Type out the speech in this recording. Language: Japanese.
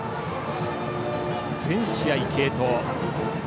全試合、継投。